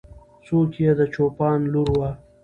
څوک یې د چوپان لور وه؟